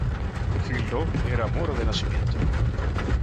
Gildo era moro de nacimiento.